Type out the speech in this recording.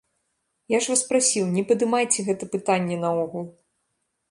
Я ж вас прасіў, не падымайце гэта пытанне наогул!